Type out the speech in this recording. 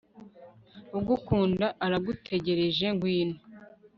ugukunda, aragutegereje, ngwino